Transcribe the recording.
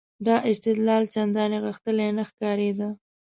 دا استدلال چندانې غښتلی نه ښکارېده.